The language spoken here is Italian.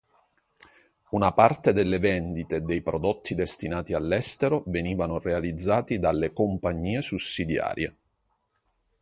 Una parte delle vendite e dei prodotti destinati all'estero venivano realizzati dalle compagnie sussidiarie.